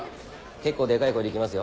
結構でかい声でいきますよ。